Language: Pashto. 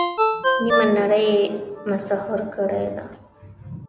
نیمه نړۍ یې مسحور کړې ده.